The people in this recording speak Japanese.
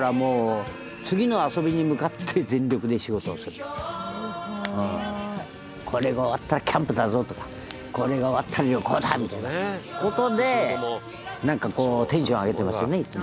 だからもうこれが終わったらキャンプだぞとかこれが終わったら旅行だみたいな事でなんかこうテンション上げてますよねいつも。